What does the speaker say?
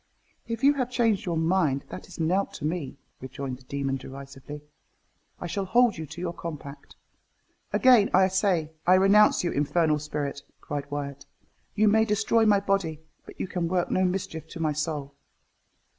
"If you have changed your mind, that is nought to me," rejoined the demon derisively "I shall hold you to your compact." "Again I say I renounce you, infernal spirit!" cried Wyat; "you may destroy my body but you can work no mischief to my soul."